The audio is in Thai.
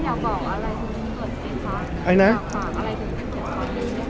คือพี่เบิร์ดเองครับไอ้นะฝากอะไรถึงพี่เบิร์ด